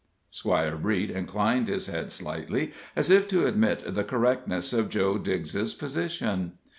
Squire Breet inclined his head slightly, as if to admit the correctness of Joe Digg's position.